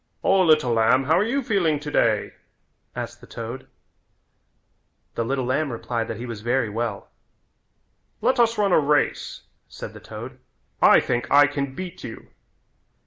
"O, little lamb, how are you feeling today?" asked the toad. The little lamb replied that he was very well. "Let us run a race," said the toad, "I think I can beat you."